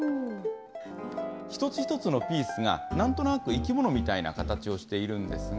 一つ一つのピースが、なんとなく生き物みたいな形をしているんですが。